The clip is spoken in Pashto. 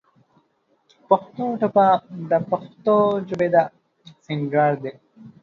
پښتو ټپه د پښتو ژبې د سينګار دى.